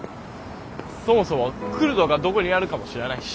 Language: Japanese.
そもそもクルドがどこにあるかも知らないし。